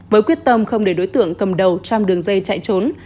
với quyết tâm không để đối tượng cầm đầu trong đường dây chạy trốn